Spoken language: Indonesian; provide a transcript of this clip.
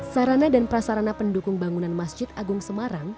sarana dan prasarana pendukung bangunan masjid agung semarang